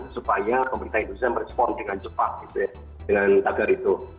supaya pemerintah indonesia merespon dengan cepat dengan agar itu